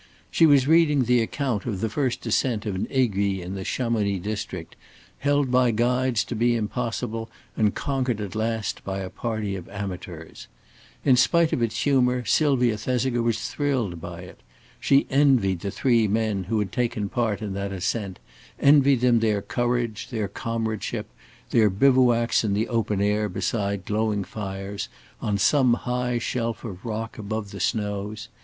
She was reading the account of the first ascent of an aiguille in the Chamonix district, held by guides to be impossible and conquered at last by a party of amateurs. In spite of its humor Sylvia Thesiger was thrilled by it. She envied the three men who had taken part in that ascent, envied them their courage, their comradeship, their bivouacs in the open air beside glowing fires, on some high shelf of rock above the snows.